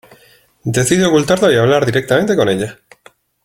Decide ocultarlo y hablar directamente con ella.